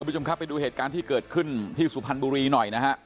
ผู้ชมครับไปดูเหตุการณ์ที่เกิดขึ้นที่สุพรรณบุรีหน่อยนะฮะ